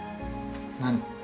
何？